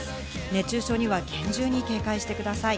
熱中症には厳重に警戒してください。